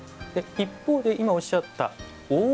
一方で今おっしゃった「大波紋」